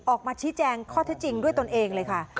ออกมาชี้แจงข้อเท็จจริงด้วยตนเองเลยค่ะ